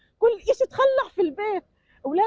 dengan suatu alamat menjaga mereka